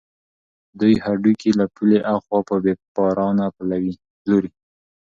دوی هډوکي له پولې اخوا په بېپارانو پلوري.